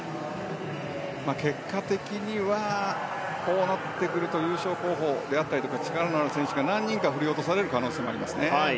結果的には、こうなってくると優勝候補だったり力のある選手が何人か振り落とされる可能性がありますね。